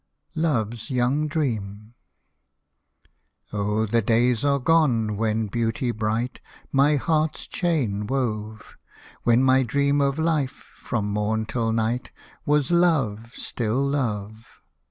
LOVE'S YOUNG DREAM Oh ! the days are gone, when beauty bright My heart's chain wove ; When my dream of life, from morn till night, Was love, still love.